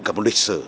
gặp một lịch sử